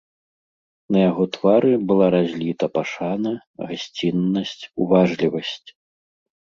На яго твары была разліта пашана, гасціннасць, уважлівасць.